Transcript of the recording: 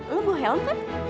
lo bawa helm kan